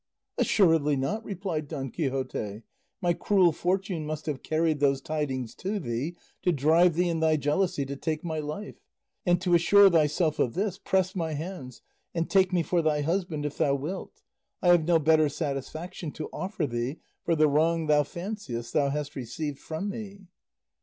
"Assuredly not," replied Don Vicente; "my cruel fortune must have carried those tidings to thee to drive thee in thy jealousy to take my life; and to assure thyself of this, press my hands and take me for thy husband if thou wilt; I have no better satisfaction to offer thee for the wrong thou fanciest thou hast received from me."